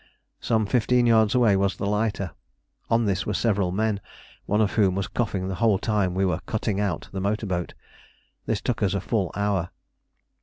Some fifteen yards away was the lighter; on this were several men, one of whom was coughing the whole time we were "cutting out" the motor boat. This took us a full hour.